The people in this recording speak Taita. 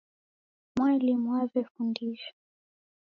Mwalimu waw'efundisha.